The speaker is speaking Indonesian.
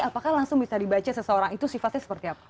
apakah langsung bisa dibaca seseorang itu sifatnya seperti apa